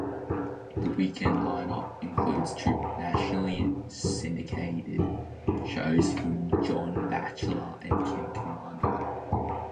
The weekend lineup includes nationally syndicated shows from John Batchelor and Kim Komando.